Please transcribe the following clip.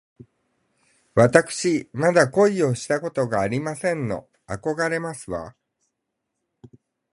わたくしまだ恋をしたことがありませんの。あこがれますわ